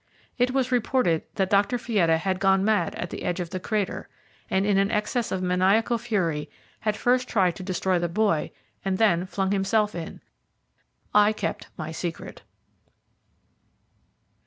It was reported that Dr. Fietta had gone mad at the edge of the crater, and in an excess of maniacal fury had first tried to destroy the boy and then flung himself in. I kept my secret.